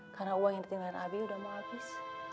karena uang yang ditinggalin abi udah mau habis